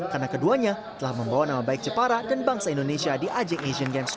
karena keduanya telah membawa nama baik jepara dan bangsa indonesia di ajeng asian games dua ribu delapan belas